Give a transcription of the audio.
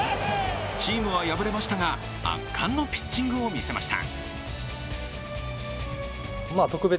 チームは敗れましたが、圧巻のピッチングを見せました。